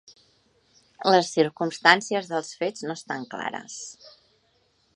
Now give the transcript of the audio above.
Les circumstàncies dels fets no estan clares.